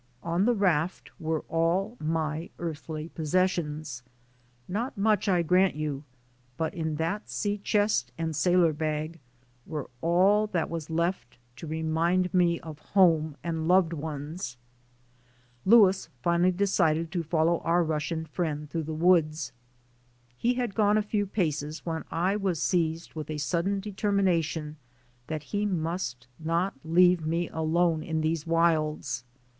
On that raft were all my earthly possessions, not much, I grant you, but in that sea IN THE AMEEICAN STORM 91 chest and sailor bag were all that was left to remind me of home and loved ones. Louis finally decided to follow our Russian friend through the woods. He had gone a few paces when I was seized with a sudden determination that he must not leave me alone in these wilds.